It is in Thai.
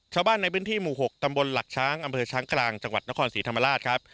ชาวบ้านในพื้นที่หมู่๖ตำบลหลักช้างอำเภอช้างกลางจังหวัดนครศรีธรรมราชครับ